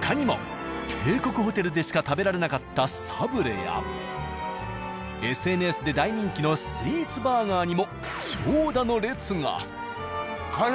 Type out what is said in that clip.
他にも帝国ホテルでしか食べられなかったサブレやＳＮＳで大人気のスイーツバーガーにも長蛇の列が。